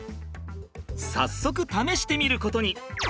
早速試してみることに。